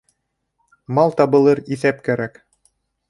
Мал табылыр, иҫәп кәрәк.